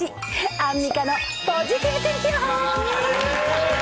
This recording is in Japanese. アンミカのポジティブ天気予報。